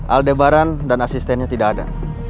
aldebaran dan asistennya tidak ada